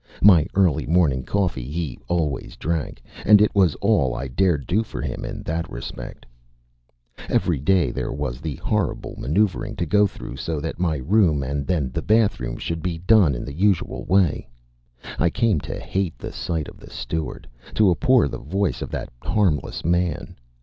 My early morning coffee he always drank; and it was all I dared do for him in that respect. Every day there was the horrible maneuvering to go through so that my room and then the bathroom should be done in the usual way. I came to hate the sight of the steward, to abhor the voice of that harmless man.